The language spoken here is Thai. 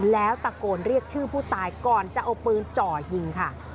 แล้วตะโกนเรียกชื่อผู้ตายก่อนจะเอาปืนจ่อยิงค่ะ